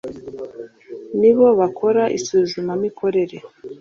Ni bo bakora isuzumamikorere